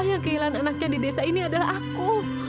yang kehilangan anaknya di desa ini adalah aku